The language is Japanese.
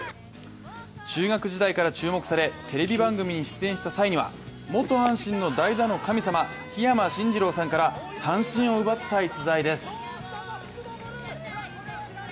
中学時代から注目されテレビ番組に出演した際には元阪神の代打の神様、桧山進次郎さんから三振を奪った逸材です。